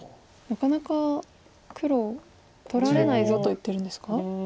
なかなか黒取られないぞと言ってるんですか？